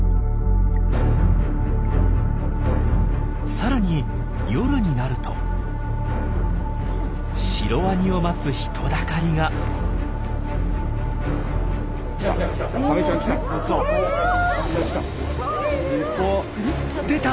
さらに夜になるとシロワニを待つ人だかりが。出た！